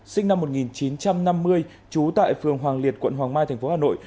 sinh năm một nghìn chín trăm năm mươi trú tại phường hoàng liệt quận hoàng mai tp hà nội